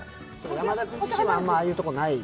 山田君自身はあんまりああいうところはない？